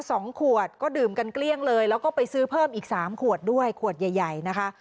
สองขวดก็ดื่มกันเกลี้ยงเลยแล้วก็ไปซื้อเพิ่มอีกสามขวดด้วยขวดใหญ่ใหญ่นะคะ